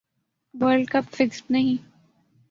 world cup fixed نہی